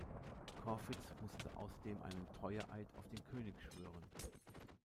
Corfitz musste außerdem einen Treueeid auf den König schwören.